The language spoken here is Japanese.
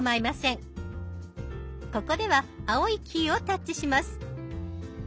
ここでは青いキーをタッチします。